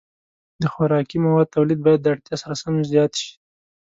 د خوراکي موادو تولید باید د اړتیا سره سم زیات شي.